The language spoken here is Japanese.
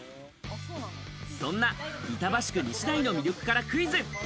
そんな板橋区西台の魅力からクイズ。